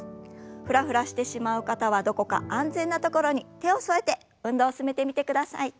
フラフラしてしまう方はどこか安全な所に手を添えて運動を進めてみてください。